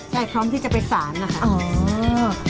ใช่พร้อมที่จะไปสารนะคะ